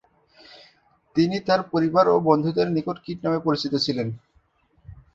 তিনি তার পরিবার ও বন্ধুদের নিকট 'কিট' নামে পরিচিত ছিলেন।